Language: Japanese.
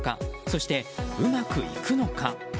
そして、うまくいくのか。